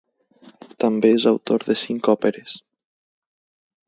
També és autor de cinc òperes.